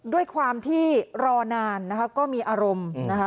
ด้วยความที่รอนานนะคะก็มีอารมณ์นะคะ